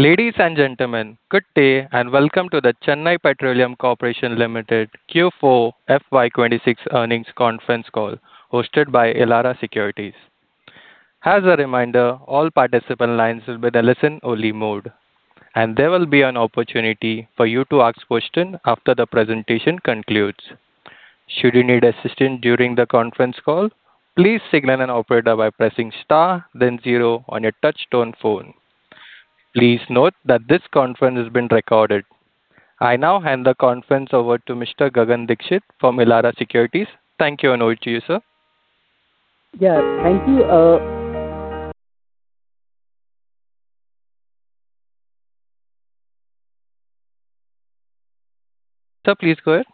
Ladies and gentlemen, good day, and welcome to the Chennai Petroleum Corporation Limited Q4 FY 2026 earnings conference call hosted by Elara Securities. As a reminder, all participant lines will be in listen-only mode, and there will be an opportunity for you to ask questions after the presentation concludes. Should you need assistance during the conference call, please signal an operator by pressing star then zero on your touch-tone phone. Please note that this conference is being recorded. I now hand the conference over to Mr. Gagan Dixit from Elara Securities. Thank you, and over to you, sir. Yeah, thank you. Sir, please go ahead.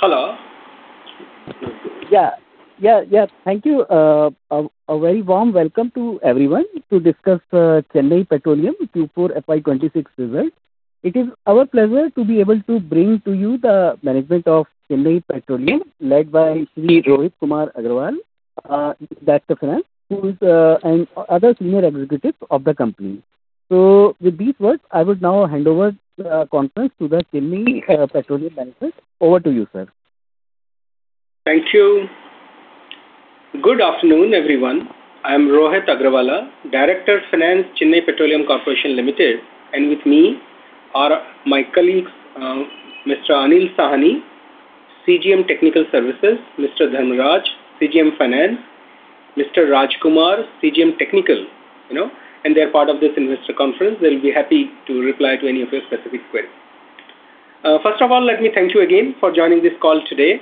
Hello. Yeah. Thank you. A very warm welcome to everyone to discuss Chennai Petroleum Q4 FY 2026 results. It is our pleasure to be able to bring to you the management of Chennai Petroleum, led by Sri Rohit Kumar Agrawala, Director, Finance, and other senior executives of the company. With these words, I would now hand over the conference to the Chennai Petroleum management. Over to you, sir. Thank you. Good afternoon, everyone. I'm Rohit Agrawala, Director, Finance, Chennai Petroleum Corporation Limited, and with me are my colleagues, Mr. Anil Sahni, CGM, Technical Services, Mr. Dharmaraj, CGM, Finance, Mr. Rajkumar, CGM, Technical. They're part of this investor conference. They'll be happy to reply to any of your specific queries. First of all, let me thank you again for joining this call today.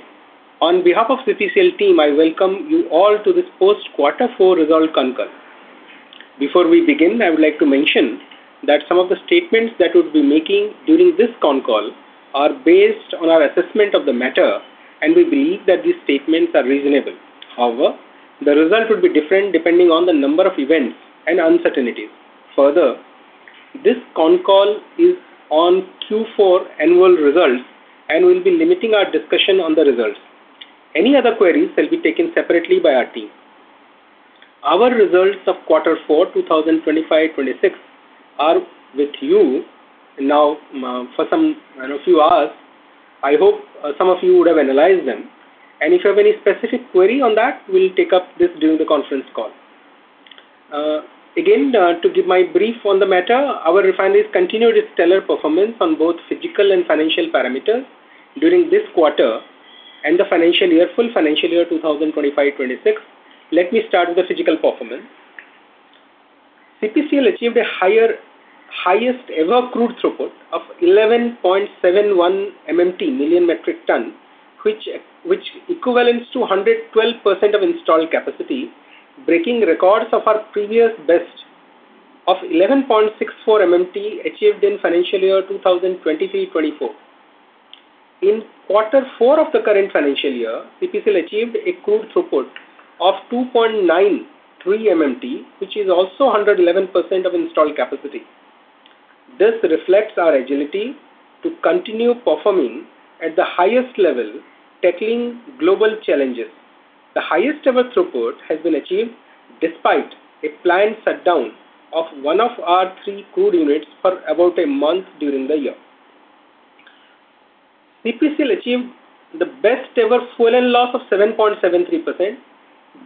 On behalf of the CPCL team, I welcome you all to this post quarter four results conference call. Before we begin, I would like to mention that some of the statements that we'll be making during this conference call are based on our assessment of the matter, and we believe that these statements are reasonable. However, the results would be different depending on the number of events and uncertainties. Further, this con call is on Q4 annual results and we'll be limiting our discussion on the results. Any other queries shall be taken separately by our team. Our results of quarter four 2025-2026 are with you now for a few hours. I hope some of you would have analyzed them, and if you have any specific query on that, we'll take up this during the conference call. Again, to give my brief on the matter, our refinery's continued its stellar performance on both physical and financial parameters during this quarter and the full financial year 2025-2026. Let me start with the physical performance. CPCL achieved the highest ever crude throughput of 11.71 MMT, million metric ton, which is equivalent to 112% of installed capacity, breaking records of our previous best of 11.64 MMT achieved in financial year 2023-2024. In quarter four of the current financial year, CPCL achieved a crude throughput of 2.93 MMT, which is also 111% of installed capacity. This reflects our agility to continue performing at the highest level, tackling global challenges. The highest ever throughput has been achieved despite a planned shutdown of one of our three crude units for about a month during the year. CPCL achieved the best Fuel & Loss of 7.73%,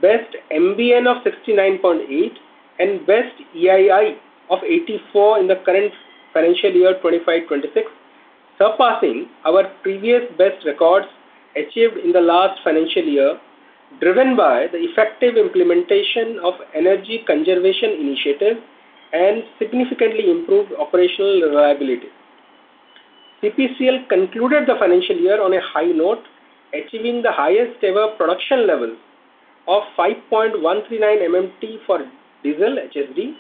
best MBN of 69.8% and best EII of 84% in the current financial year, FY 2025-2026, surpassing our previous best records achieved in the last financial year, driven by the effective implementation of energy conservation initiatives and significantly improved operational reliability. CPCL concluded the financial year on a high note, achieving the highest ever production level of 5.139 MMT for diesel HSD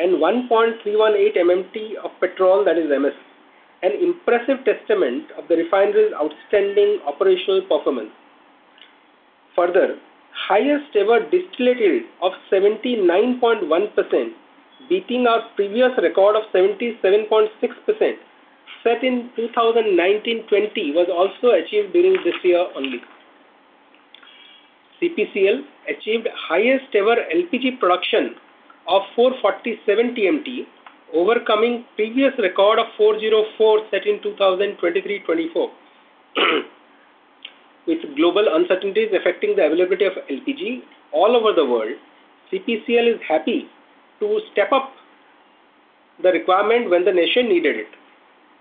and 1.318 MMT of petrol, that is MS, an impressive testament of the refinery's outstanding operational performance. Further, highest ever distillate yield of 79.1%, beating our previous record of 77.6% set in 2019-2020, was also achieved during this year only. CPCL achieved highest ever LPG production of 447 TMT, overcoming previous record of 404 set in 2023-2024. With global uncertainties affecting the availability of LPG all over the world, CPCL is happy to step up the requirement when the nation needed it.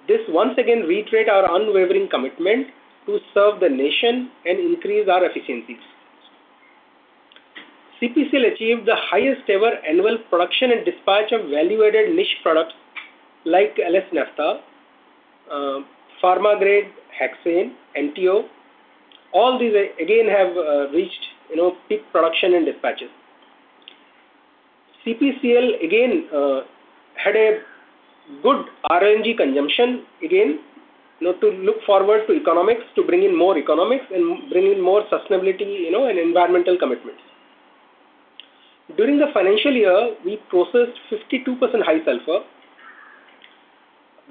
This once again reiterates our unwavering commitment to serve the nation and increase our efficiencies. CPCL achieved the highest ever annual production and dispatch of value-added niche products like LS Naphtha, pharma-grade hexane, MTO. All these again have reached peak production and dispatches. CPCL, again, had a good RNG consumption, again, to look forward to economics, to bring in more economics and bring in more sustainability, and environmental commitments. During the financial year, we processed 52% high-sulfur.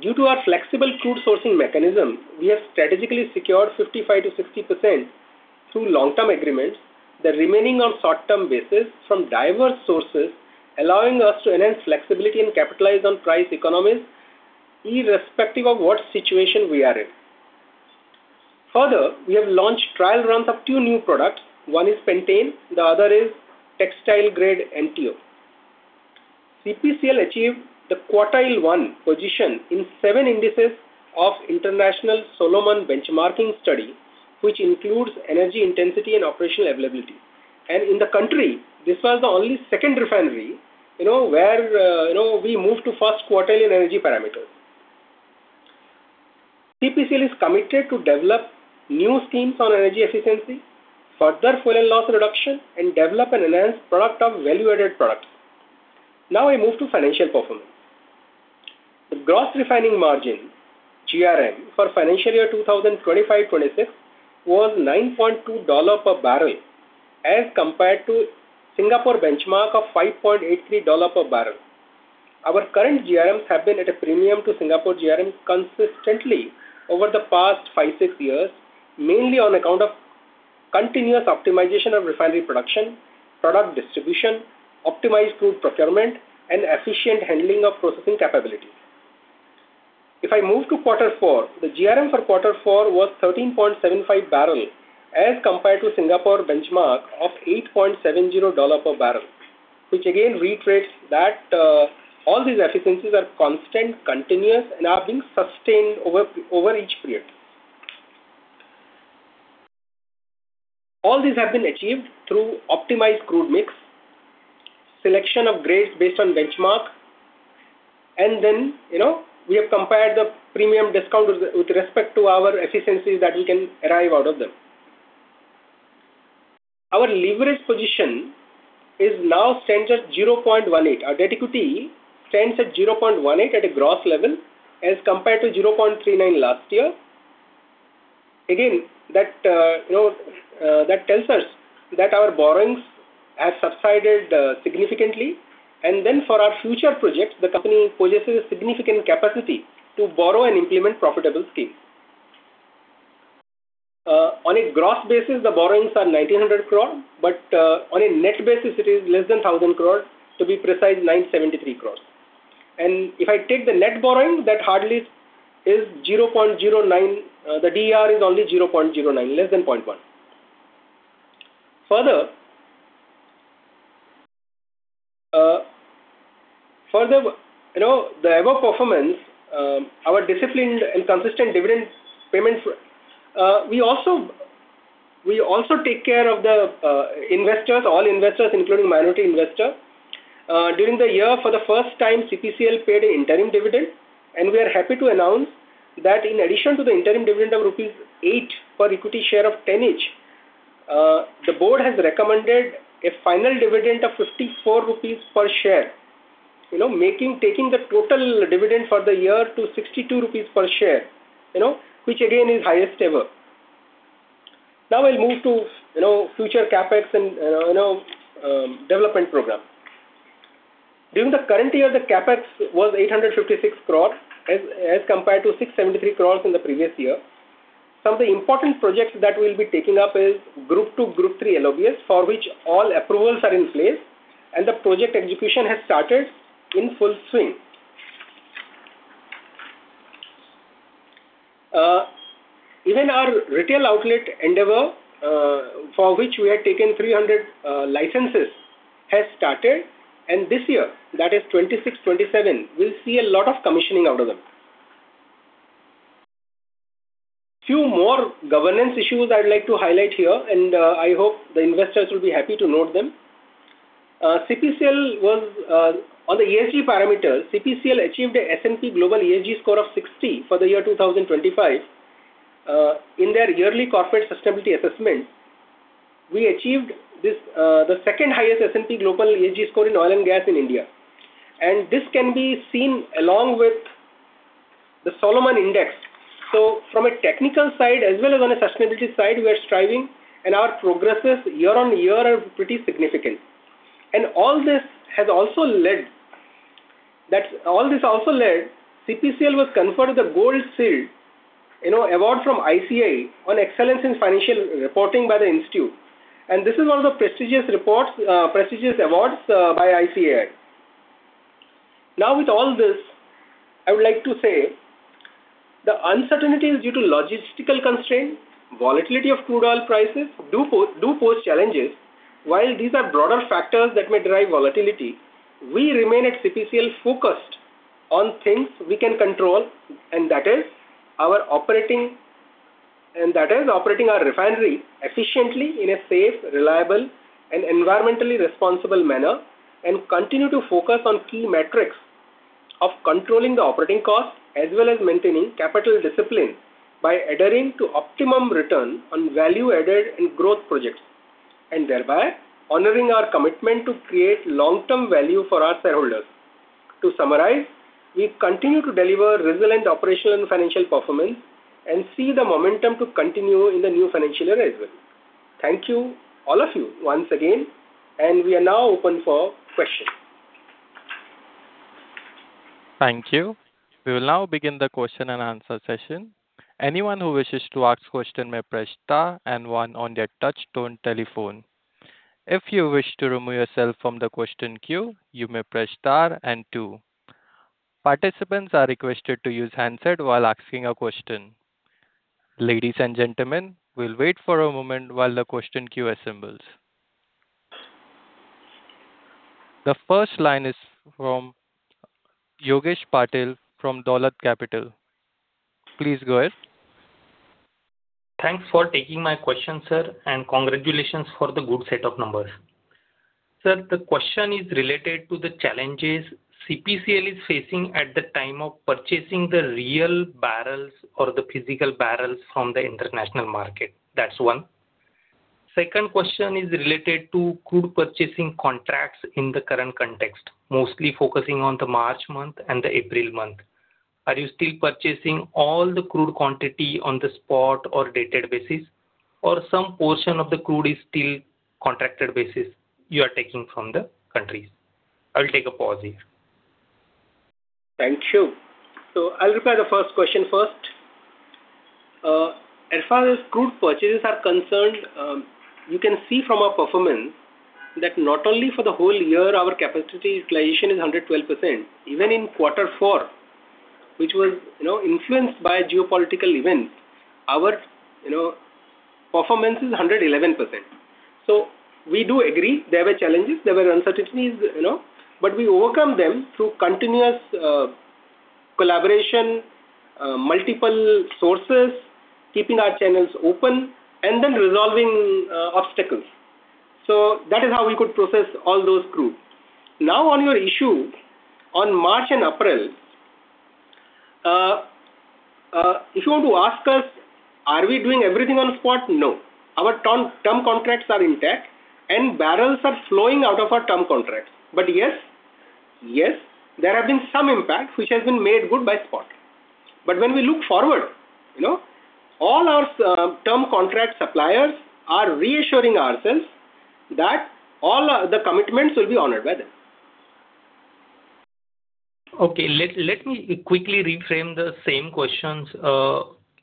Due to our flexible crude sourcing mechanism, we have strategically secured 55%-60% through long-term agreements, the remaining on short-term basis from diverse sources, allowing us to enhance flexibility and capitalize on price economies irrespective of what situation we are in. Further, we have launched trial runs of two new products. One is pentane, the other is textile-grade MTO. CPCL achieved the quartile one position in seven indices of International Solomon Benchmarking Study, which includes energy intensity and operational availability. In the country, this was only the second refinery, where we moved to first quartile in energy parameter. CPCL is committed to develop new schemes on energy efficiency, further Fuel & Loss reduction, and develop and enhance product of value-added products. Now I move to financial performance. The gross refining margin, GRM, for financial year 2025-2026 was $9.2 per barrel as compared to Singapore benchmark of $5.83 per barrel. Our current GRMs have been at a premium to Singapore GRMs consistently over the past five, six years, mainly on account of continuous optimization of refinery production, product distribution, optimized group procurement, and efficient handling of processing capability. If I move to quarter four, the GRM for quarter four was $13.75 per barrel as compared to Singapore benchmark of $8.70 per barrel, which again reiterates that all these efficiencies are constant, continuous, and are being sustained over each period. All these have been achieved through optimized crude mix, selection of grades based on benchmark, and then we have compared the premium discount with respect to our efficiencies that we can arrive out of them. Our leverage position stands at 0.18x. Our debt equity stands at 0.18x at a gross level as compared to 0.39x last year. That tells us that our borrowings have subsided significantly, and then for our future projects, the company possesses significant capacity to borrow and implement profitable schemes. On a gross basis, the borrowings are 1,900 crore, but on a net basis it is less than 1,000 crore, to be precise, 973 crore. If I take the net borrowing, that hardly is 0.09x. The DER is only 0.09x, less than 0.1x. Further, the above performance, our discipline, and consistent dividend payments. We also take care of the investors, all investors, including minority investor. During the year, for the first time, CPCL paid interim dividend, and we are happy to announce that in addition to the interim dividend of rupees 8 per equity share of 10 each, the board has recommended a final dividend of 54 rupees per share, taking the total dividend for the year to 62 rupees per share, which again, is highest ever. Now I'll move to future CapEx and development program. During the current year, the CapEx was 856 crore as compared to 673 crores in the previous year. Some of the important projects that we'll be taking up is Group II/Group III LOBS, for which all approvals are in place and the project execution has started in full swing. Even our retail outlet endeavor, for which we had taken 300 licenses, has started, and this year, that is FY 2026, FY 2027, we'll see a lot of commissioning out of them. Few more governance issues I would like to highlight here, and I hope the investors will be happy to note them. On the ESG parameters, CPCL achieved a S&P Global ESG score of 60 for the year 2025. In their yearly corporate sustainability assessment, we achieved the second highest S&P Global ESG score in oil and gas in India. This can be seen along with the Solomon Index. From a technical side as well as on a sustainability side, we are striving and our progresses year-on-year are pretty significant. All this also led, CPCL was conferred the Gold Shield, an award from ICA on Excellence in Financial Reporting in H2, and this is one of the prestigious awards by ICA. Now with all this, I would like to say the uncertainties due to logistical constraints, volatility of crude oil prices, do pose challenges. While these are broader factors that may drive volatility, we remain at CPCL focused on things we can control, and that is operating our refinery efficiently in a safe, reliable, and environmentally responsible manner, and continue to focus on key metrics of controlling the operating costs as well as maintaining capital discipline by adhering to optimum return on value added in growth projects, and thereby honoring our commitment to create long-term value for our shareholders. To summarize, we continue to deliver resilient operational and financial performance and see the momentum to continue in the new financial year as well. Thank you, all of you, once again, and we are now open for questions. Thank you. We will now begin the question-and-answer session. Anyone who wishes to ask question may press star and one on their touchtone telephone. If you wish to remove yourself from the question queue, you may press star and two. Participants are requested to use handset while asking a question. Ladies and gentlemen, we'll wait for a moment while the question queue assembles. The first line is from Yogesh Patil from Dolat Capital. Please go ahead. Thanks for taking my question, sir, and congratulations for the good set of numbers. Sir, the question is related to the challenges CPCL is facing at the time of purchasing the real barrels or the physical barrels from the international market. That's one. Second question is related to crude purchasing contracts in the current context, mostly focusing on the March month and the April month. Are you still purchasing all the crude quantity on the spot or dated basis? Or some portion of the crude is still contracted basis you are taking from the countries? I'll take a pause here. Thank you. I'll reply to the first question first. As far as crude purchases are concerned, you can see from our performance that not only for the whole year our capacity utilization is 112%, even in quarter four, which was influenced by geopolitical events, our performance is 111%. We do agree there were challenges, there were uncertainties, but we overcome them through continuous collaboration, multiple sources, keeping our channels open and then resolving obstacles. That is how we could process all those crude. Now, on your issue on March and April, if you want to ask us, are we doing everything on spot? No. Our term contracts are intact and barrels are flowing out of our term contracts. Yes, there have been some impact, which has been made good by spot. When we look forward, all our term contract suppliers are reassuring ourselves that all the commitments will be honored by them. Okay. Let me quickly reframe the same questions.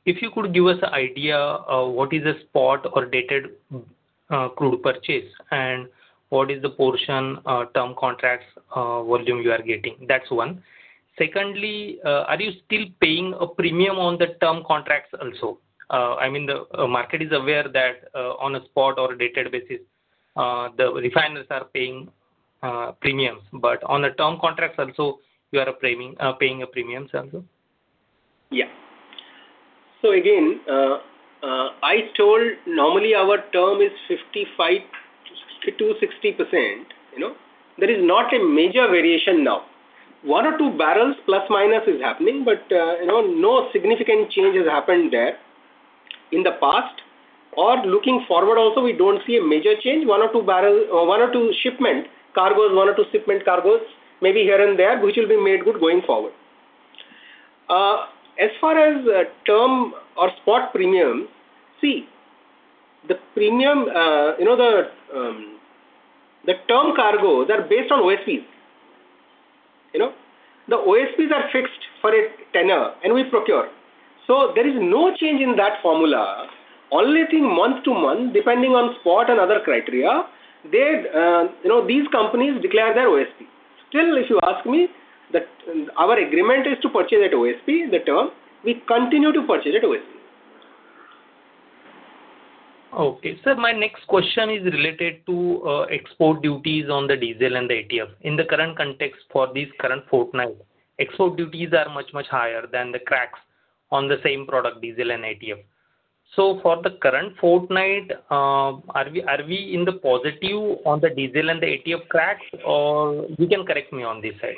If you could give us an idea of what is a spot or dated crude purchase and what is the portion of term contracts volume you are getting? That's one. Secondly, are you still paying a premium on the term contracts also? I mean, the market is aware that on a spot or a dated basis, the refiners are paying premiums, but on the term contracts also, you are paying a premium also? Yeah. Again, I told normally our term is 55%-60%. There is not a major variation now. One or two barrels plus, minus is happening, but no significant change has happened there in the past or looking forward also, we don't see a major change. One or two shipment cargos maybe here and there, which will be made good going forward. As far as term or spot premium, see, the term cargo, they're based on OSPs. The OSPs are fixed for a tenure, and we procure. There is no change in that formula. Only thing month to month, depending on spot and other criteria, these companies declare their OSP. Still, if you ask me, our agreement is to purchase at OSP, the term. We continue to purchase at OSP. Okay. Sir, my next question is related to export duties on the diesel and the ATF. In the current context for this current fortnight, export duties are much, much higher than the cracks on the same product, diesel and ATF. For the current fortnight, are we in the positive on the diesel and the ATF cracks? Or you can correct me on this side.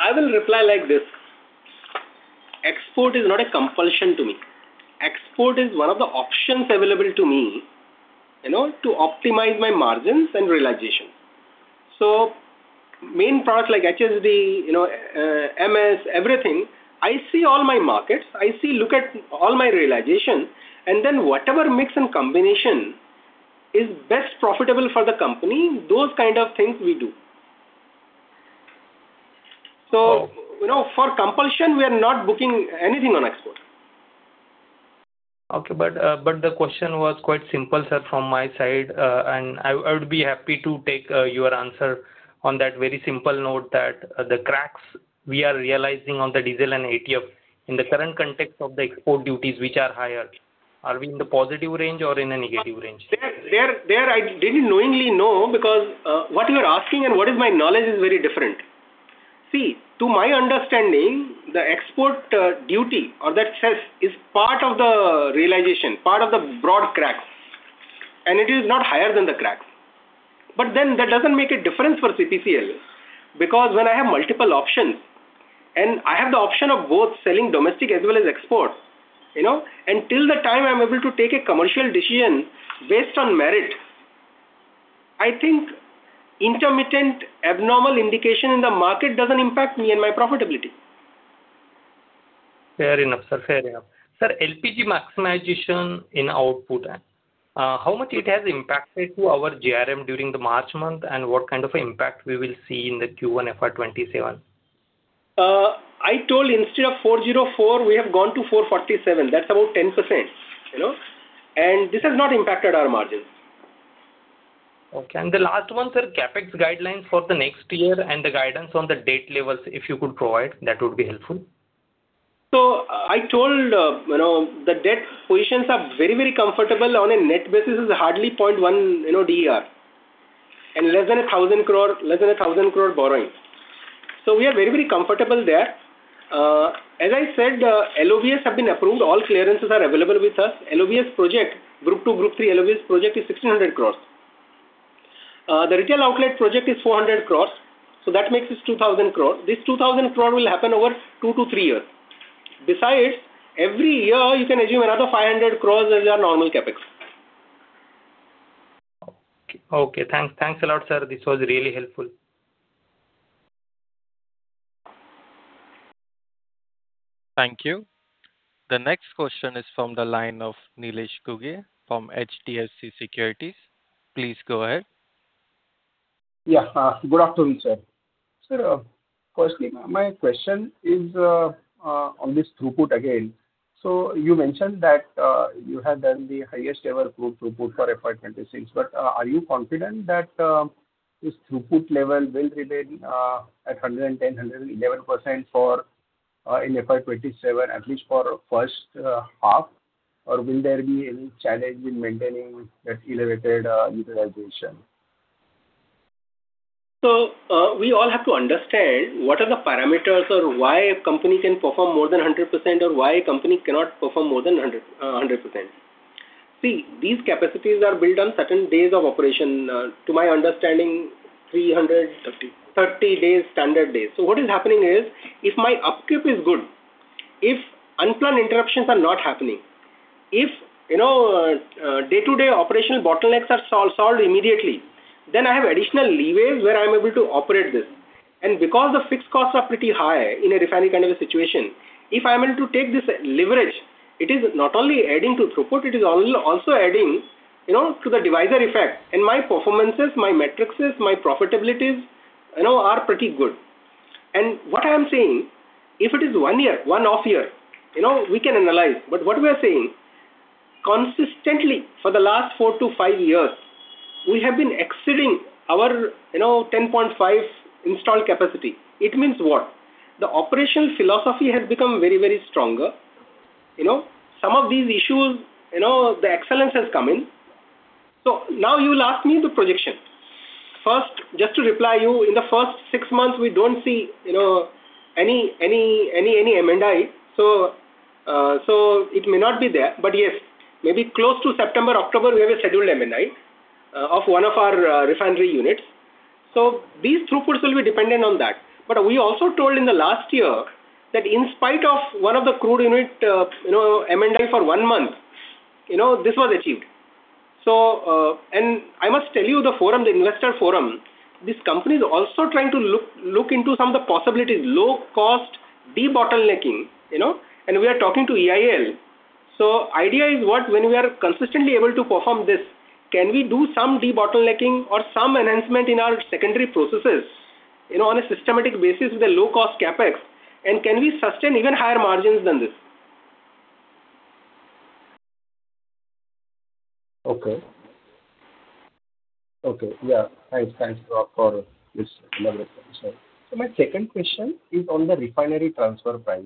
I will reply like this. Export is not a compulsion to me. Export is one of the options available to me to optimize my margins and realization. Main products like HSD, MS, everything, I see all my markets, I look at all my realization, and then whatever mix and combination is best profitable for the company, those kind of things we do. Okay For compulsion, we are not booking anything on export. Okay. The question was quite simple, sir, from my side. I would be happy to take your answer on that very simple note that the cracks we are realizing on the diesel and ATF in the current context of the export duties, which are higher, are we in the positive range or in a negative range? There, I didn't knowingly know because what you are asking and what is my knowledge is very different. See, to my understanding, the export duty or that [crack] is part of the realization, part of the broad cracks, and it is not higher than the cracks. That doesn't make a difference for CPCL, because when I have multiple options and I have the option of both selling domestic as well as export, and till the time I'm able to take a commercial decision based on merit. I think intermittent abnormal indication in the market doesn't impact me and my profitability. Fair enough, sir. Sir, LPG maximization in output, how much it has impacted to our GRM during the March month and what kind of impact we will see in the Q1 FY 2027? I told instead of 404 crore, we have gone to 447 crore. That's about 10%. This has not impacted our margins. Okay. The last one, sir, CapEx guidelines for the next year and the guidance on the debt levels, if you could provide, that would be helpful. I told the debt positions are very comfortable on a net basis. It is hardly 0.1x DER and less than 1,000 crore borrowing. We are very comfortable there. As I said, LOBS have been approved. All clearances are available with us. LOBS project, Group II/Group III LOBS project is 1,600 crores. The retail outlet project is 400 crores, so that makes it 2,000 crores. This 2,000 crores will happen over two to three years. Besides, every year, you can assume another 500 crores as our normal CapEx. Okay. Thanks a lot, sir. This was really helpful. Thank you. The next question is from the line of Nilesh Ghuge from HDFC Securities. Please go ahead. Yeah. Good afternoon, sir. Sir, firstly, my question is on this throughput again. You mentioned that you have done the highest ever throughput for FY 2026, but are you confident that this throughput level will remain at 110%-111% in FY 2027, at least for first half, or will there be any challenge in maintaining that elevated utilization? We all have to understand what are the parameters or why a company can perform more than 100%, or why a company cannot perform more than 100%. See, these capacities are built on certain days of operation, to my understanding, 330 standard days. What is happening is, if my upkeep is good, if unplanned interruptions are not happening, if day-to-day operational bottlenecks are solved immediately, then I have additional leeways where I'm able to operate this. Because the fixed costs are pretty high in a refinery kind of a situation, if I'm able to take this leverage, it is not only adding to throughput, it is also adding to the divisor effect. My performances, my metrics, my profitabilities are pretty good. What I am saying, if it is one off year, we can analyze. What we are saying, consistently for the last four to five years, we have been exceeding our 10.5 installed capacity. It means what? The operational philosophy has become very stronger. Some of these issues, the excellence has come in. Now you will ask me the projection. First, just to reply you, in the first six months, we don't see any M&I. It may not be there, but yes, maybe close to September, October, we have a scheduled M&I of one of our refinery units. These throughputs will be dependent on that. We also told in the last year that in spite of one of the crude unit M&I for one month, this was achieved. I must tell you, the investor forum, this company is also trying to look into some of the possibilities, low-cost debottlenecking, and we are talking to EIL. Idea is what, when we are consistently able to perform this, can we do some debottlenecking or some enhancement in our secondary processes on a systematic basis with a low-cost CapEx, and can we sustain even higher margins than this? Okay. Thanks for this elaboration, sir. My second question is on the refinery transfer price.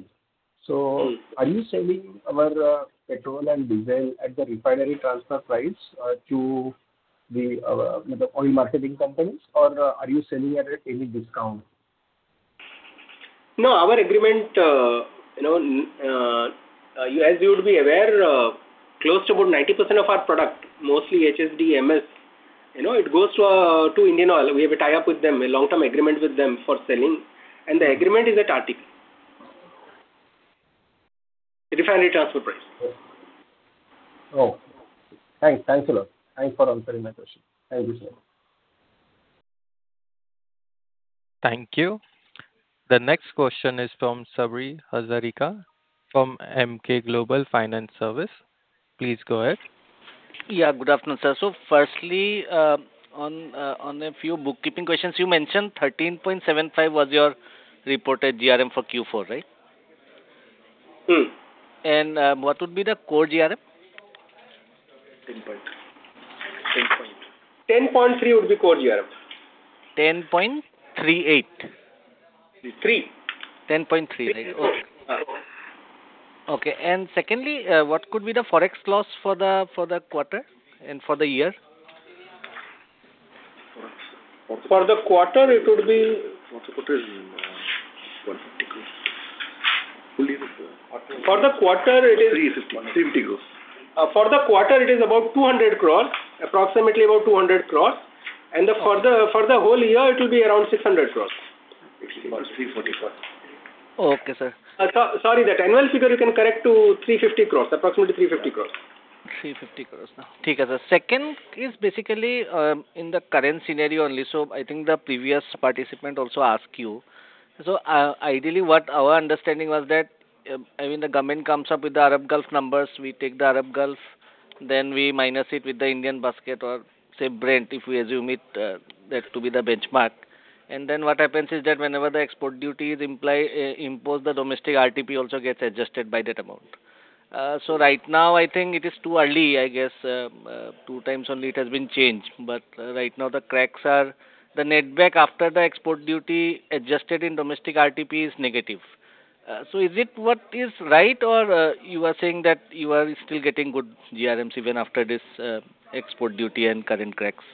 Are you selling our petrol and diesel at the refinery transfer price to the oil marketing companies, or are you selling at any discount? No, our agreement, as you would be aware, close to about 90% of our product, mostly HSD, MS, it goes to IndianOil. We have a tie-up with them, a long-term agreement with them for selling, and the agreement is. Refinery transfer price. Oh, thanks. Thanks a lot. Thanks for answering my question. Thank you, sir. Thank you. The next question is from Sabri Hazarika from Emkay Global Finance Service. Please go ahead. Yeah, good afternoon, sir. Firstly, on a few bookkeeping questions, you mentioned $13.75 was your reported GRM for Q4, right? Mm-hmm. What would be the core GRM? $10.3 $10.3 would be core GRM. $10 point? Three eight? Three. $10.3. Okay. Yes. Okay. Secondly, what could be the Forex loss for the quarter and for the year? For the quarter, it is about 200 crore, approximately about 200 crore. For the whole year, it will be around 600 crore. About 340 crore. Okay, sir. Sorry, that annual figure you can correct to approximately 350 crores. 350 crore now. Okay, sir. Second is basically in the current scenario only. I think the previous participant also asked you. Ideally, what our understanding was that, when the government comes up with the Arab Gulf numbers, we take the Arab Gulf, then we minus it with the Indian basket or say Brent, if we assume it, that's to be the benchmark. Then what happens is that whenever the export duty is imposed, the domestic RTP also gets adjusted by that amount. Right now, I think it is too early, I guess, two times only it has been changed, but right now the cracks are the netback after the export duty adjusted in domestic RTP is negative. Is it what is right or you are saying that you are still getting good GRMs even after this export duty and current cracks?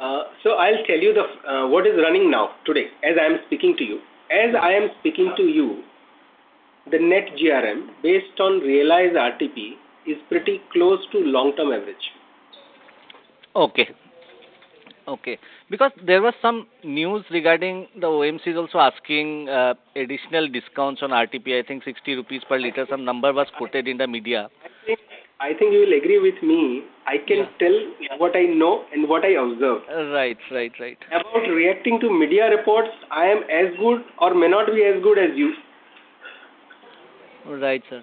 I'll tell you what is running now today, as I am speaking to you. As I am speaking to you, the net GRM, based on realized RTP, is pretty close to long-term average. Okay. Because there was some news regarding the OMCs also asking additional discounts on RTP, I think 60 rupees per liter, some number was quoted in the media. I think you will agree with me. I can tell what I know and what I observe. Right. About reacting to media reports, I am as good or may not be as good as you. Right, sir.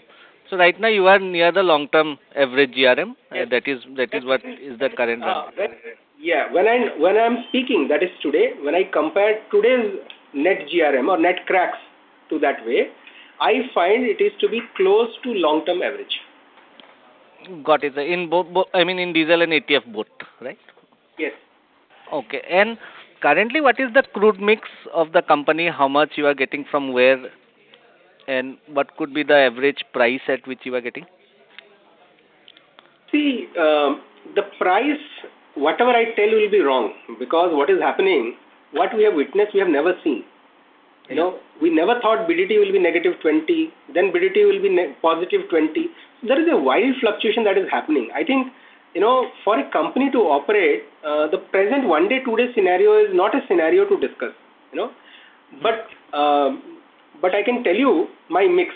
Right now you are near the long term average GRM. That is what is the current. Yeah. When I'm speaking, that is today, when I compare today's net GRM or net cracks to that way, I find it is to be close to long-term average. Got it, sir. In diesel and ATF both, right? Yes. Okay. Currently, what is the crude mix of the company? How much you are getting from where and what could be the average price at which you are getting? See, the price, whatever I tell will be wrong, because what is happening, what we have witnessed, we have never seen. We never thought [VDU] will be -20, then [VDU] will be +20. There is a wild fluctuation that is happening. I think, for a company to operate, the present one-day, two-day scenario is not a scenario to discuss. I can tell you my mix.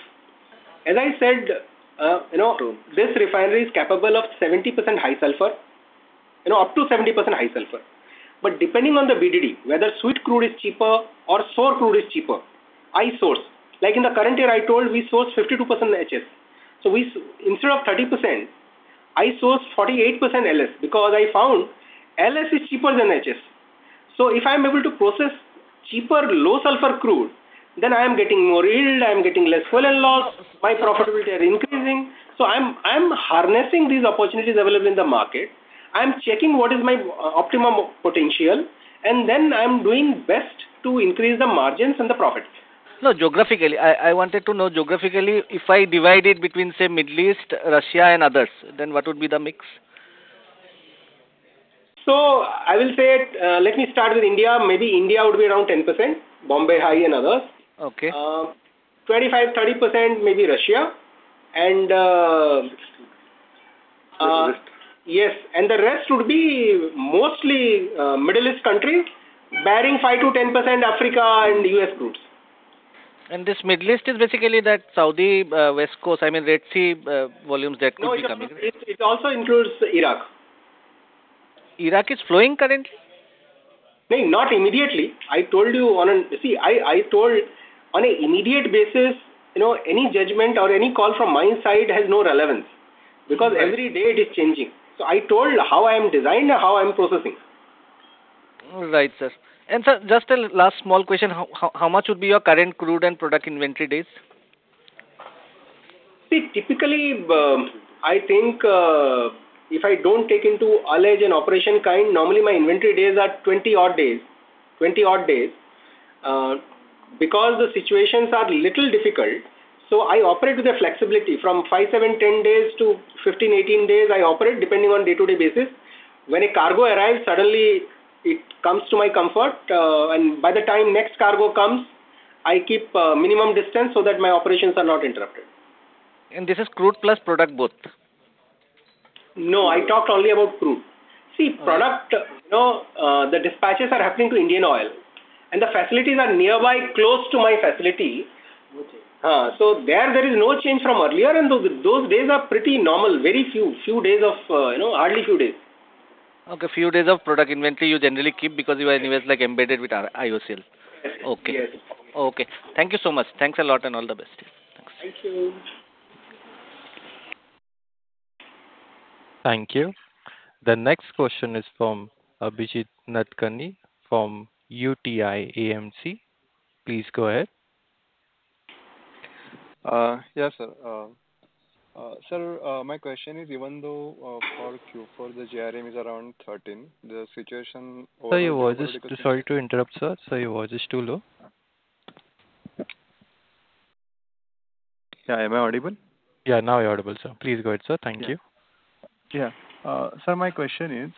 As I said, this refinery is capable of up to 70% high sulfur. Depending on the [VDU], whether sweet crude is cheaper or sour crude is cheaper, I source. Like in the current year, I told we source 52% HS. Instead of 30%, I source 48% LS, because I found LS is cheaper than HS. If I'm able to process cheaper, low sulfur crude, then I am getting more yield, I'm getting less Fuel & Loss, my profitability are increasing. I'm harnessing these opportunities available in the market. I'm checking what is my optimum potential, and then I'm doing best to increase the margins and the profits. No, geographically. I wanted to know geographically, if I divide it between, say, Middle East, Russia and others, then what would be the mix? I will say, let me start with India. Maybe India would be around 10%, Bombay High and others. Okay. 25%, 30% maybe Russia. Yes. The rest would be mostly Middle East countries, barring 5%-10% Africa and U.S. groups. This Middle East is basically that Saudi, West Coast, I mean, Red Sea, volumes that could be coming in. No. It also includes Iraq. Iraq is flowing currently? No, not immediately. See, I told on an immediate basis, any judgment or any call from my side has no relevance because every day it is changing. I told how I am designed and how I'm processing. All right, sir. Sir, just a last small question. How much would be your current crude and product inventory days? See, typically, I think, if I don't take into ullage and operation kind, normally my inventory days are 20-odd days. Because the situations are a little difficult, I operate with the flexibility from five, seven, 10 days to 15 days, 18 days. I operate depending on day-to-day basis. When a cargo arrives, suddenly it comes to my comfort, and by the time next cargo comes, I keep minimum distance so that my operations are not interrupted. This is crude plus product both? No, I talked only about crude. See, product, the dispatches are happening to IndianOil. The facilities are nearby, close to my facility. Okay. There is no change from earlier, and those days are pretty normal. Hardly few days. Okay, few days of product inventory you generally keep because you are anyways embedded with IOCL. Yes. Okay. Thank you so much. Thanks a lot, and all the best. Thanks. Thank you. Thank you. The next question is from Abhijit Nadkarni from UTI AMC. Please go ahead. Yes, sir. Sir, my question is, even though for Q4, the GRM is around $13, the situation. Sorry to interrupt, sir. Sir, your voice is too low. Yeah. Am I audible? Yeah, now you're audible, sir. Please go ahead, sir. Thank you. Yeah. Sir, my question is,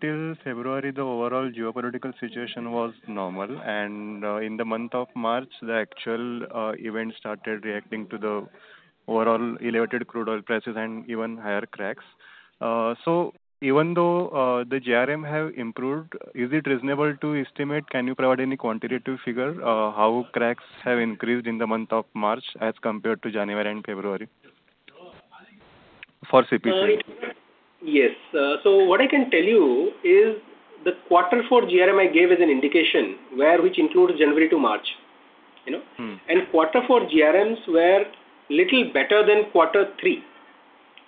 till February, the overall geopolitical situation was normal, and in the month of March, the actual events started reacting to the overall elevated crude oil prices and even higher cracks. Even though the GRM have improved, is it reasonable to estimate, can you provide any quantitative figure how cracks have increased in the month of March as compared to January and February? For CPCL. Yes. What I can tell you is the quarter four GRM I gave is an indication which includes January to March. quarter four GRMs were little better than quarter three.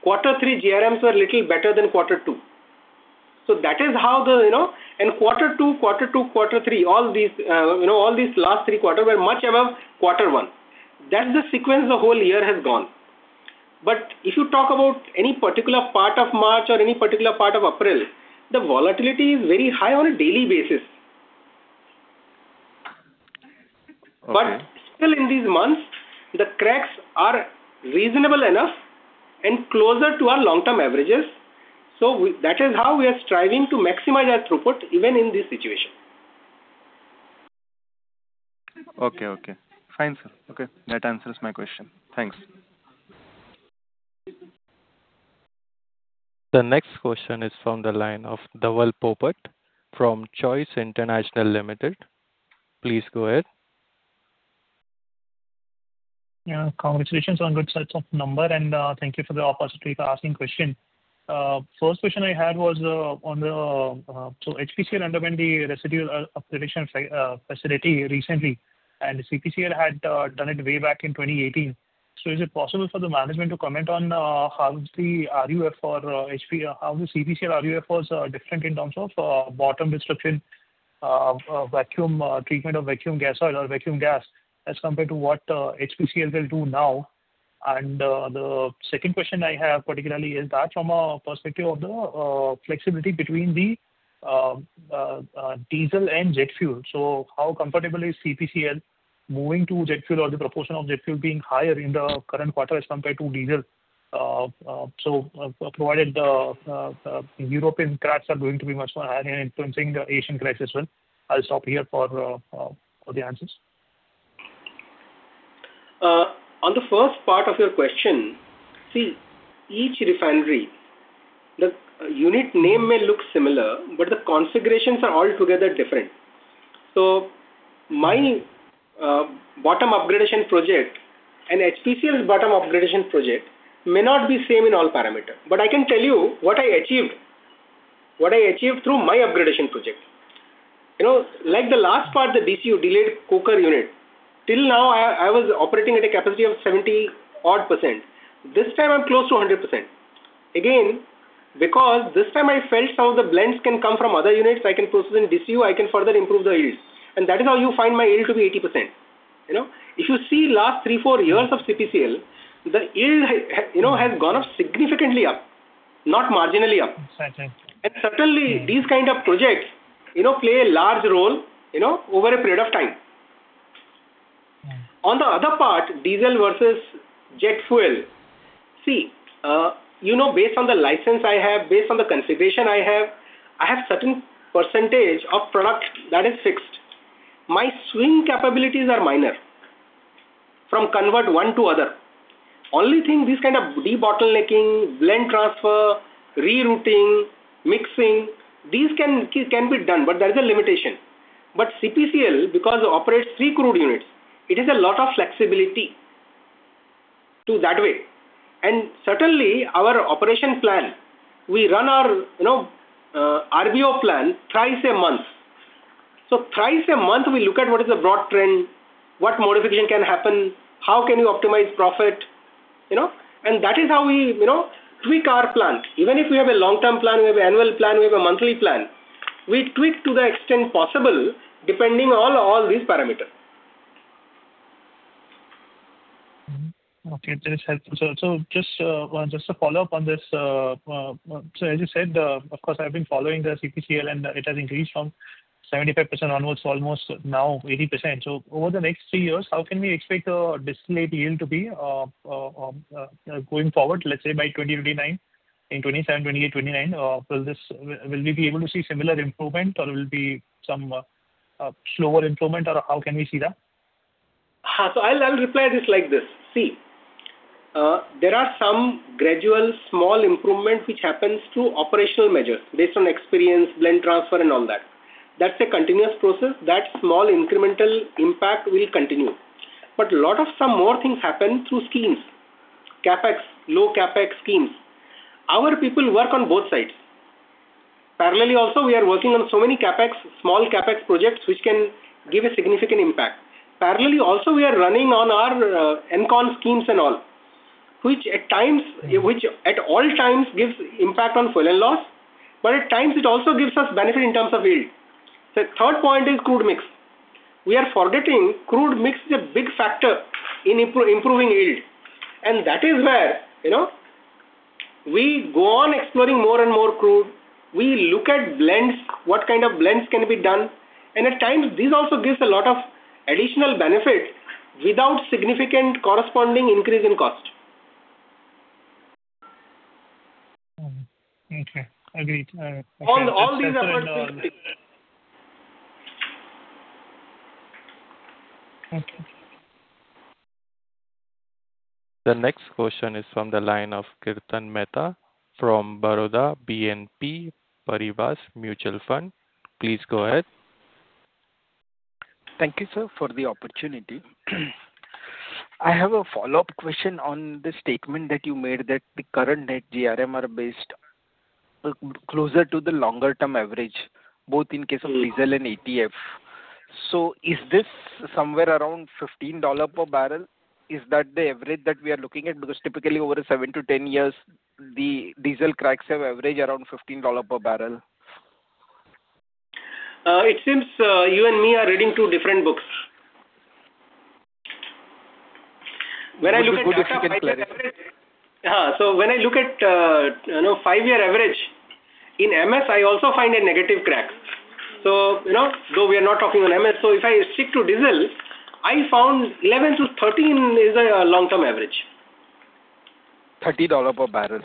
Quarter three GRMs were little better than quarter two. Quarter two, quarter three, all these last three quarters were much above quarter one. That's the sequence the whole year has gone. If you talk about any particular part of March or any particular part of April, the volatility is very high on a daily basis. Okay. Still in these months, the cracks are reasonable enough and closer to our long-term averages. That is how we are striving to maximize our throughput, even in this situation. Okay. Fine, sir. Okay, that answers my question. Thanks. The next question is from the line of Dhaval Popat from Choice International Limited. Please go ahead. Yeah. Congratulations on good sets of numbers and thank you for the opportunity to ask a question. First question I had was on the residual upgradation facility recently, and CPCL had done it way back in 2018. Is it possible for the management to comment on how the CPCL RUF was different in terms of bottom destruction, vacuum treatment of vacuum gas oil or vacuum gas as compared to what HPCL will do now? The second question I have particularly is from the perspective of the flexibility between the diesel and jet fuel. How comfortable is CPCL moving to jet fuel or the proportion of jet fuel being higher in the current quarter as compared to diesel, provided the European cracks are going to be much higher and influencing the Asian cracks as well? I'll stop here for the answers. On the first part of your question, see, each refinery, the unit name may look similar, but the configurations are altogether different. My bottoms upgrading project and HPCL's bottoms upgrading project may not be same in all parameters. I can tell you what I achieved through my upgrading project. The last part, the DCU, Delayed Coker Unit. Till now, I was operating at a capacity of 70%-odd. This time I'm close to 100%. Because this time I felt how the blends can come from other units, so I can process in DCU, I can further improve the yields. That is how you find my yield to be 80%. If you see last three, four years of CPCL, the yield has gone up significantly, not marginally up. Got you. Certainly these kind of projects play a large role over a period of time. Yeah. On the other part, diesel versus jet fuel. See, based on the license I have, based on the configuration I have, I have certain percentage of product that is fixed. My swing capabilities are minor for converting one to the other. Only thing, this kind of debottlenecking, blend transfer, rerouting, mixing, these can be done, but there is a limitation. CPCL, because it operates three crude units, it is a lot of flexibility in that way. Certainly our operation plan, we run our RBO plan thrice a month. Thrice a month, we look at what is the broad trend, what modification can happen, how can you optimize profit. That is how we tweak our plant. Even if we have a long-term plan, we have annual plan, we have a monthly plan. We tweak to the extent possible, depending on all these parameters. Okay, that is helpful, sir. Just a follow-up on this. As you said, of course, I've been following the CPCL, and it has increased from 75% onwards, almost now 80%. Over the next three years, how can we expect the distillate yield to be going forward, let's say by 2029? In 2027, 2028, 2029, will we be able to see similar improvement or will be some slower improvement, or how can we see that? I'll reply this like this. See, there are some gradual small improvement which happens through operational measures based on experience, blend transfer and all that. That's a continuous process. That small incremental impact will continue. A lot of some more things happen through schemes, CapEx, low CapEx schemes. Our people work on both sides. Parallelly also, we are working on so many CapEx, small CapEx projects, which can give a significant impact. Parallelly also, we are running on our ENCON schemes and all, which at all times gives impact on Fuel & Loss. At times it also gives us benefit in terms of yield. The third point is crude mix. We are forgetting crude mix is a big factor in improving yield. That is where we go on exploring more and more crude. We look at blends, what kind of blends can be done, and at times, this also gives a lot of additional benefits without significant corresponding increase in cost. Okay. Agreed. All these are working together. Okay. The next question is from the line of Kirtan Mehta from Baroda BNP Paribas Mutual Fund. Please go ahead. Thank you, sir, for the opportunity. I have a follow-up question on the statement that you made that the current net GRM is closer to the longer-term average, both in case of diesel and ATF. Is this somewhere around $15 per barrel? Is that the average that we are looking at? Because typically over seven to 10 years, the diesel cracks have averaged around $15 per barrel. It seems you and me are reading two different books. It was a good. Yeah. When I look at five-year average in MS, I also find a negative crack. Though we are not talking on MS, so if I stick to diesel, I found $11-$13 is a long-term average. $30 per barrel?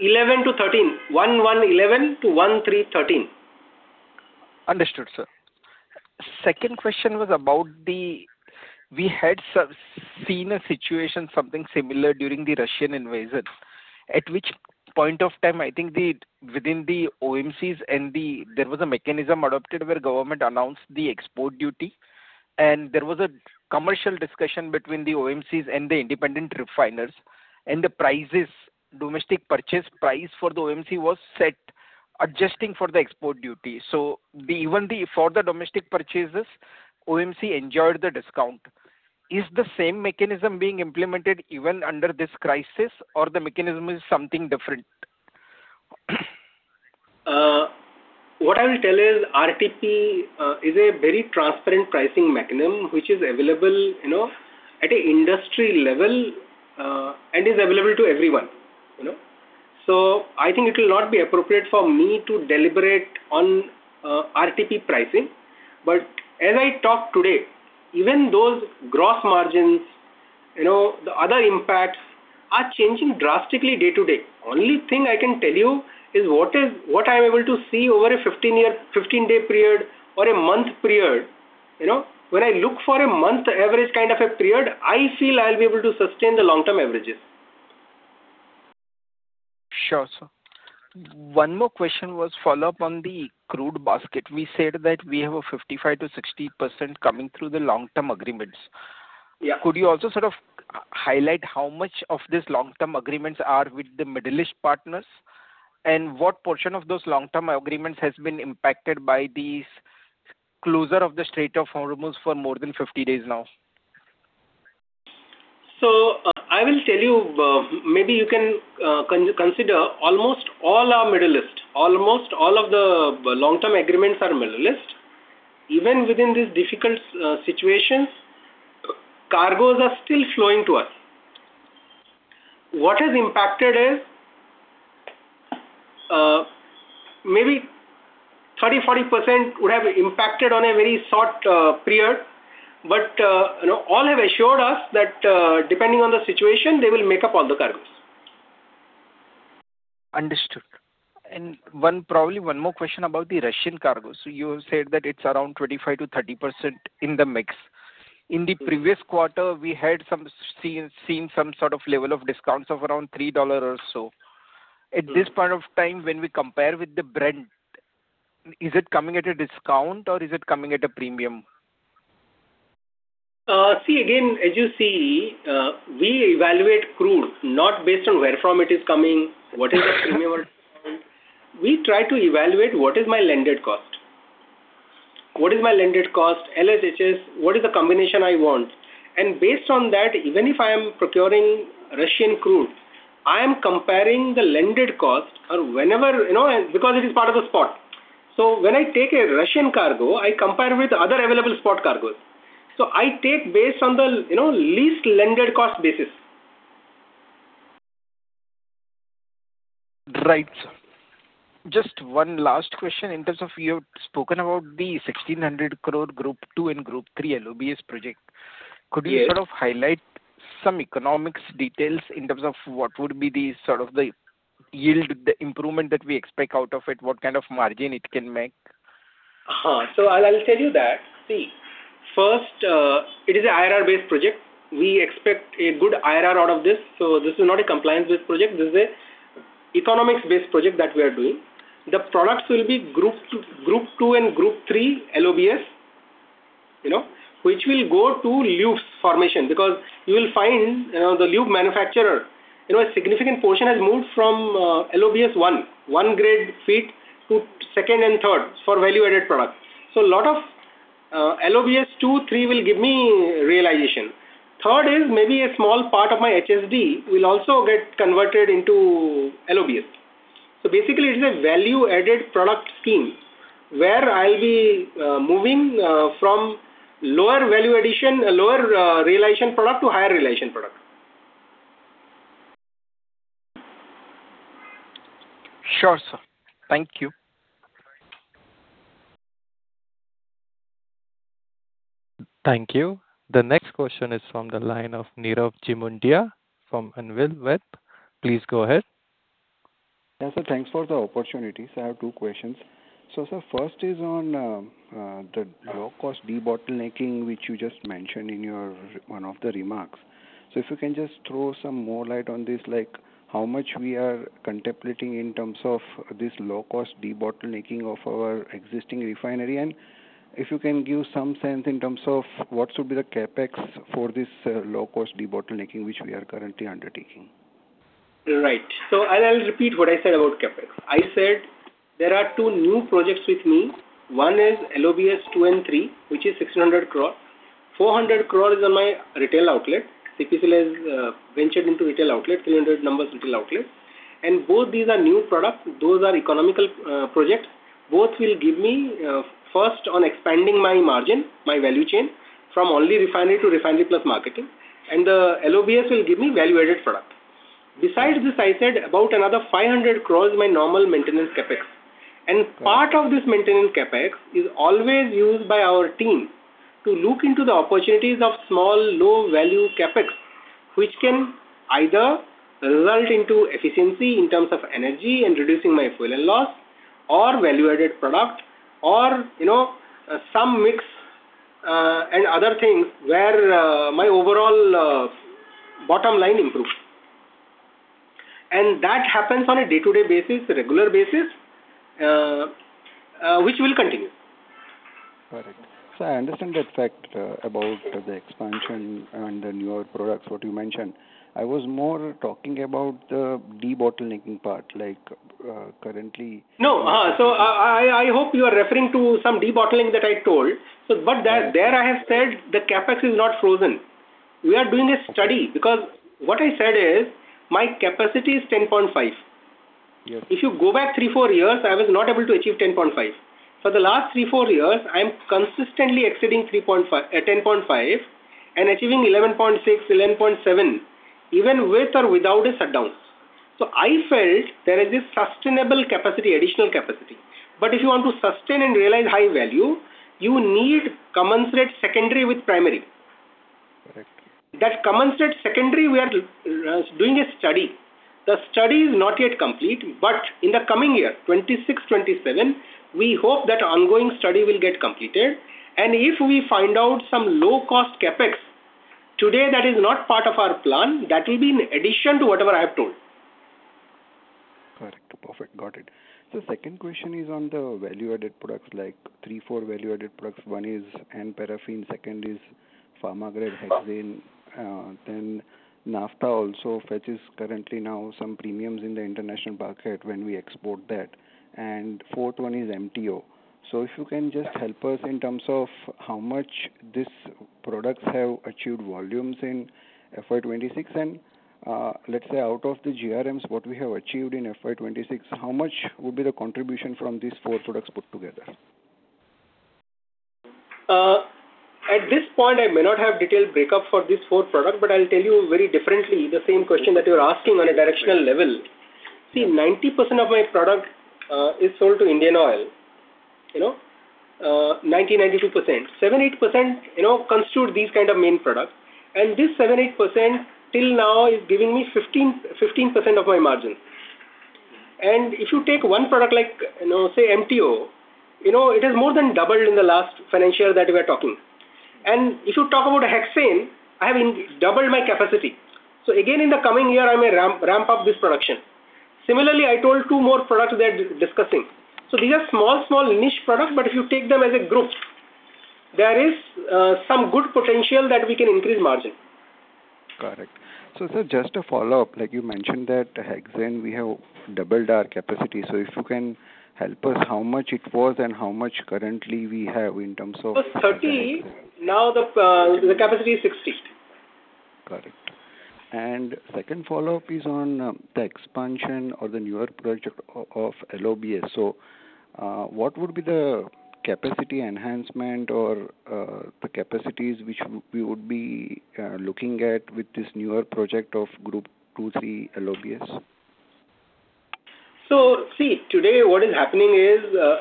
$11-$13. One one, $11 to one three, $13. Understood, sir. Second question was about the situation. We had seen a situation, something similar, during the Russian invasion. At which point of time, I think, within the OMCs, there was a mechanism adopted where government announced the export duty, and there was a commercial discussion between the OMCs and the independent refiners, and the domestic purchase price for the OMC was set, adjusting for the export duty. Even for the domestic purchases, OMC enjoyed the discount. Is the same mechanism being implemented even under this crisis, or the mechanism is something different? What I will tell is RTP is a very transparent pricing mechanism which is available at an industry level, and is available to everyone. I think it will not be appropriate for me to deliberate on RTP pricing. As I talk today, even those gross margins, the other impacts are changing drastically day to day. Only thing I can tell you is what I'm able to see over a 15-day period or a month period. When I look for a month average kind of a period, I feel I'll be able to sustain the long-term averages. Sure, sir. One more question was a follow-up on the crude basket. We said that we have a 55%-60% coming through the long-term agreements. Yeah. Could you also sort of highlight how much of this long-term agreements are with the Middle East partners, and what portion of those long-term agreements has been impacted by this closure of the Strait of Hormuz for more than 50 days now? I will tell you, maybe you can consider almost all are Middle East. Almost all of the long-term agreements are Middle East. Even within these difficult situations, cargoes are still flowing to us. What is impacted is maybe 30%, 40% would have impacted on a very short period. All have assured us that depending on the situation, they will make up all the cargoes. Understood. Probably one more question about the Russian cargoes. You have said that it's around 25%-30% in the mix. In the previous quarter, we had seen some sort of level of discounts of around $3 or so. At this point of time, when we compare with the Brent, is it coming at a discount or is it coming at a premium? See, again, as you see, we evaluate crude not based on where from it is coming, what is the premium or discount. We try to evaluate what is my landed cost. What is my landed cost, LSHS, what is the combination I want? Based on that, even if I am procuring Russian crude, I am comparing the landed cost or whenever, because it is part of the spot. When I take a Russian cargo, I compare with other available spot cargoes. I take based on the least landed cost basis. Right, sir. Just one last question. In terms of you have spoken about the 1,600 crore Group II and Group III LOBS project. Yes. Could you sort of highlight some economic details in terms of what would be the sort of yield, the improvement that we expect out of it, what kind of margin it can make? I'll tell you that. See, first, it is an IRR-based project. We expect a good IRR out of this. This is not a compliance-based project. This is an economics-based project that we are doing. The products will be Group II and Group III LOBS, which will go to lubes formation because you will find the lube manufacturer, a significant portion has moved from LOBS I, one-grade feed to second and third for value-added products. A lot of LOBS II, III will give me realization. Third is maybe a small part of my HSD will also get converted into LOBS. Basically it's a value-added product scheme where I'll be moving from lower value addition, a lower realization product to higher realization product. Sure, sir. Thank you. Thank you. The next question is from the line of Nirav Jimudia from Anvil Wealth. Please go ahead. Yeah, sir. Thanks for the opportunity. Sir, I have two questions. Sir, first is on the low-cost debottlenecking, which you just mentioned in one of the remarks. If you can just throw some more light on this, like how much we are contemplating in terms of this low-cost debottlenecking of our existing refinery and if you can give some sense in terms of what should be the CapEx for this low-cost debottlenecking, which we are currently undertaking. Right. I will repeat what I said about CapEx. I said there are two new projects with me. One is LOBS II and III, which is 600 crore. 400 crore is on my retail outlet. CPCL has ventured into retail outlet, 300 numbers retail outlet, and both these are new products. Those are economical projects. Both will give me first on expanding my margin, my value chain from only refinery to refinery plus marketing, and the LOBS will give me value-added product. Besides this, I said about another 500 crore, my normal maintenance CapEx. Part of this maintenance CapEx is always used by our team to look into the opportunities of small, low-value CapEx, which can either result into efficiency in terms of energy and reducing my Fuel & Loss or value-added product, or some mix, and other things where my overall bottom line improves. That happens on a day-to-day basis, regular basis, which will continue. Got it. I understand that fact about the expansion and the newer products, what you mentioned. I was more talking about the debottlenecking part, like currently- No. I hope you are referring to some debottlenecking that I told, there I have said the CapEx is not frozen. We are doing a study because what I said is my capacity is $10.5. Yes. If you go back three, four years, I was not able to achieve $10.5. For the last three, four years, I'm consistently exceeding $10.5 and achieving $11.6, $11.7, even with or without the shutdowns. I felt there is this sustainable capacity, additional capacity. If you want to sustain and realize high value, you need commensurate secondary with primary. Correct. In the meantime, we are doing a study. The study is not yet complete, but in the coming year, 2026, 2027, we hope that ongoing study will get completed, and if we find out some low-cost CapEx to date that is not part of our plan, that will be in addition to whatever I have told. Correct. Perfect. Got it. Second question is on the value-added products, like three, four value-added products. One is N-Paraffin, second is pharma-grade hexane, then Naphtha also fetches currently now some premiums in the international market when we export that, and fourth one is MTO. If you can just help us in terms of how much these products have achieved volumes in FY 2026 and, let's say, out of the GRMs, what we have achieved in FY 2026, how much would be the contribution from these four products put together? At this point, I may not have detailed breakup for these four product, but I'll tell you very definitely the same question that you're asking on a directional level. See, 90% of my product is sold to IndianOil, 90%, 92%. 7%, 8% constitute these kind of main products, and this 7%, 8% till now is giving me 15% of my margin. If you take one product like, say MTO, it has more than doubled in the last financial that we're talking. If you talk about hexane, I have doubled my capacity. Again, in the coming year, I may ramp up this production. Similarly, I told two more products they are discussing. These are small niche products, but if you take them as a group, there is some good potential that we can increase margin. Correct. Sir, just a follow-up. Like you mentioned that hexane, we have doubled our capacity. If you can help us, how much it was and how much currently we have in terms of? It was 30,000 tons per annum, now the capacity is 60,000 tons per annum. Got it. Second follow-up is on the expansion or the newer project of LOBS. What would be the capacity enhancement or the capacities which we would be looking at with this newer project of Group II/III LOBS? See, today what is happening is,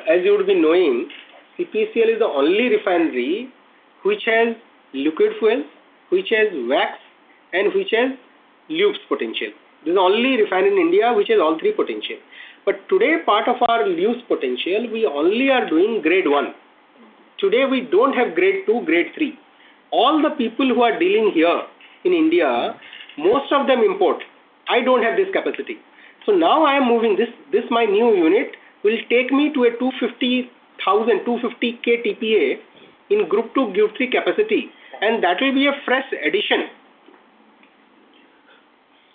as you would be knowing, CPCL is the only refinery which has liquid fuel, which has wax, and which has lubes potential. This is the only refinery in India which has all three potential. Today, part of our lubes potential, we only are doing Grade 1. Today, we don't have Grade 2, Grade 3. All the people who are dealing here in India, most of them import. I don't have this capacity. Now I am moving this, my new unit will take me to a 250,000 TPA in Group II/Group III capacity, and that will be a fresh addition.